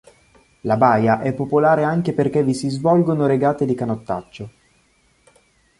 La baia è popolare anche perché vi si svolgono regate di canottaggio.